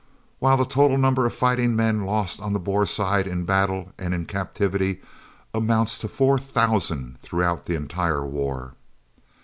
While the total number of fighting men lost on the Boer side, in battle and in captivity, amounts to four thousand throughout the entire war.